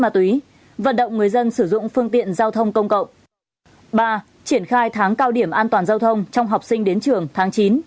ba triển khai tháng cao điểm an toàn giao thông trong học sinh đến trường tháng chín